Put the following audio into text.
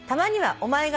「お前が」